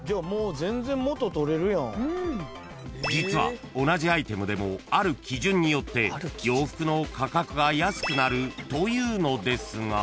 ［実は同じアイテムでもある基準によって洋服の価格が安くなるというのですが］